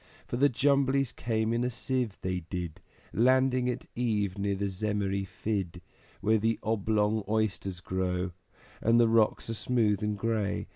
For the Jumblies came in a sieve, they did, Landing at eve near the Zemmery Fidd Where the Oblong Oysters grow, And the rocks are smooth and gray.